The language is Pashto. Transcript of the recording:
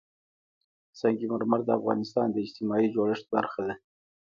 سنگ مرمر د افغانستان د اجتماعي جوړښت برخه ده.